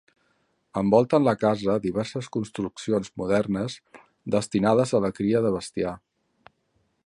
Envolten la casa diverses construccions modernes destinades a la cria de bestiar.